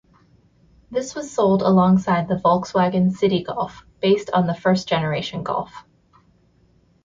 This was sold alongside the Volkswagen Citi Golf, based on the first generation Golf.